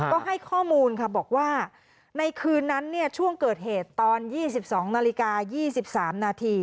ก็ให้ข้อมูลบอกว่าในคืนนั้นช่วงเกิดเหตุตอน๒๒น๒๓น